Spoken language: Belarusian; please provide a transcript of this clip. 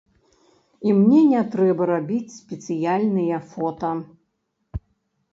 І мне не трэба рабіць спецыяльныя фота.